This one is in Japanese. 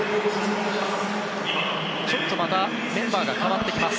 ちょっとまたメンバーが代わってきます。